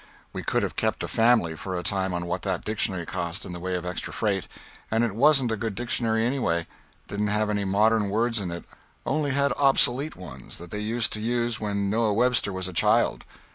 We could have kept a family for a time on what that dictionary cost in the way of extra freight and it wasn't a good dictionary anyway didn't have any modern words in it only had obsolete ones that they used to use when Noah Webster was a child.